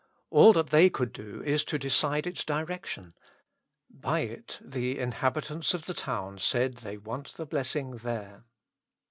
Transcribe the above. All that they could do is to decide its direc tion ; by it the inhabitants of the town said they want the blessing there.